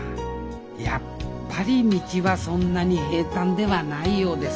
やっぱり道はそんなに平たんではないようです